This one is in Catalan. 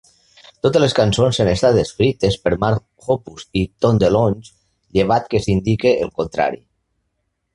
Totes les cançons han estat escrites per Mark Hoppus i Tom DeLonge, llevat que s'indiqui el contrari.